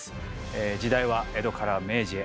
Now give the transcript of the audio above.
時代は江戸から明治へ。